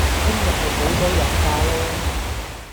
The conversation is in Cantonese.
聽日咪補咗日假囉